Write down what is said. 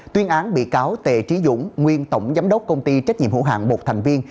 tuyên án bị cáo tề trí dũng nguyên tổng giám đốc công ty trách nhiệm hữu hạng một thành viên